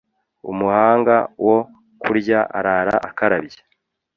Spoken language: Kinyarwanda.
Umuhanga wo kurya arara akarabye.